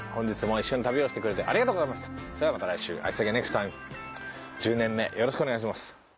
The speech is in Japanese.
１０年目よろしくお願いします。